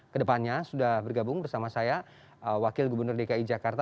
kedepannya sudah bergabung bersama saya wakil gubernur dki jakarta